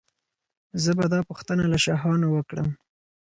زه به دا پوښتنه له شاهانو وکړم.